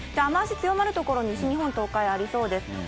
雨足強まる所、西日本、東海ありそうです。